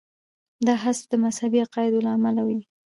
دا حذف د مذهبي عقایدو له امله وي.